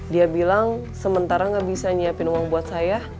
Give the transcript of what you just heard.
dia bilang sementara nggak bisa nyiapin uang buat saya